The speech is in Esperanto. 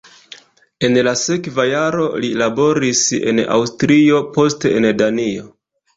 En la sekva jaro li laboris en Aŭstrio, poste en Danio.